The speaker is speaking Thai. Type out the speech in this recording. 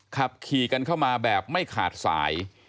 ขับขี่กันเข้ามาแบบไม่ขาดสาย